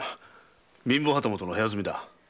貧乏旗本の部屋住みだ。